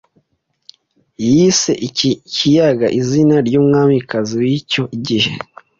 yise iki kiyaga izina ry'umwamikazi w'icyo gihe